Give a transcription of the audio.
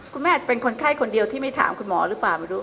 คุณแม่จะเป็นคนไข้คนเดียวที่ไม่ถามคุณหมอหรือเปล่าไม่รู้